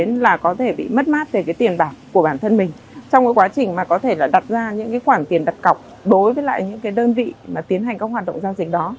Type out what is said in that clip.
chúng ta có thể bị mất mát về tiền bản của bản thân mình trong quá trình đặt ra những khoản tiền đặt cọc đối với những đơn vị tiến hành các hoạt động giao dịch đó